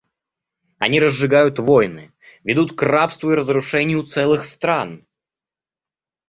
Они разжигают войны, ведут к рабству и разрушению целых стран.